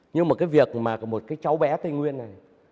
nhưng mà cái việc mà của một cái cháu bé tây nguyên này